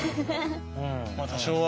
まあ多少は。